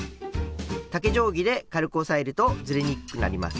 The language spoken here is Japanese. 竹定規で軽く押さえるとずれにくくなります。